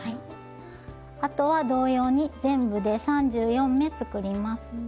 あとは同様に全部で３４目作ります。